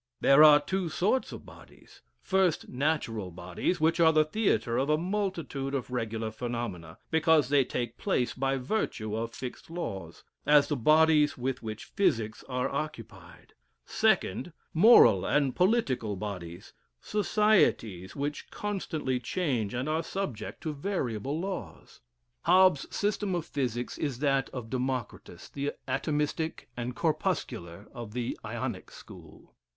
"There are two sorts of bodies: 1st, Natural bodies, which are the theatre of a multitude of regular phenomena, because they take place by virtue of fixed laws, as the bodies with which physics are occupied; 2nd, Moral and political bodies, societies which constantly change and are subject to variable laws. "Hobbes's system of physics is that of Democritus, the atomistic and corpuscular of the Ionic school.